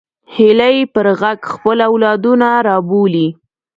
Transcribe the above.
هیلۍ پر غږ خپل اولادونه رابولي